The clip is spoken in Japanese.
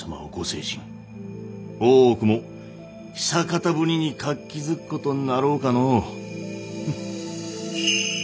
大奥も久方ぶりに活気づくことになろうかの。